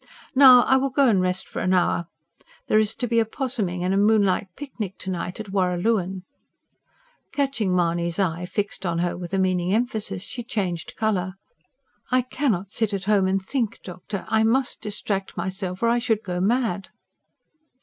"Now I will go and rest for an hour. There is to be opossuming and a moonlight picnic to night at Warraluen." Catching Mahony's eye fixed on her with a meaning emphasis, she changed colour. "I cannot sit at home and think, doctor. I MUST distract myself; or I should go mad."